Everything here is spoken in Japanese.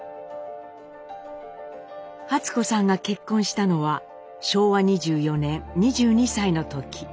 初子さんが結婚したのは昭和２４年２２歳の時。